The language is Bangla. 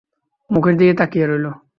মুখের দিকে তাকিয়ে রইল।